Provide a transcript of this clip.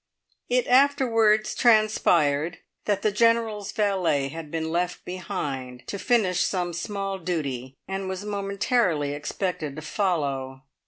It afterwards transpired that the General's valet had been left behind to finish some small duty, and was momentarily expected to follow.